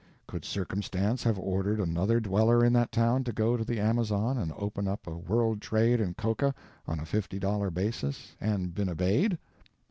Could Circumstance have ordered another dweller in that town to go to the Amazon and open up a world trade in coca on a fifty dollar basis and been obeyed?